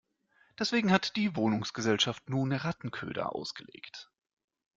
Deswegen hat die Wohnungsgesellschaft nun Rattenköder ausgelegt.